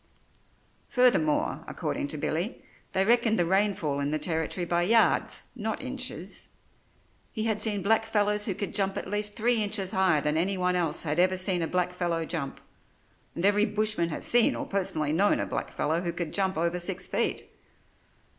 Furthermore, according to Billy, they reckoned the rainfall in the Territory by yards, not inches. He had seen blackfellows who could jump at least three inches higher than anyone else had ever seen a blackfellow jump, and every bushman has seen or personally known a blackfellow who could jump over six feet.